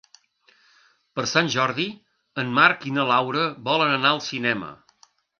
Per Sant Jordi en Marc i na Laura volen anar al cinema.